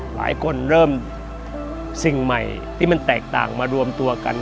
หลายคนเริ่มสิ่งใหม่ที่มันแตกต่างมารวมตัวกัน